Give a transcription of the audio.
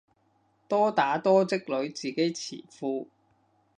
多打多積累自己詞庫